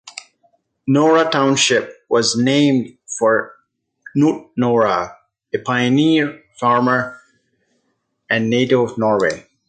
Nora Township was named for Knut Nora, a pioneer farmer and native of Norway.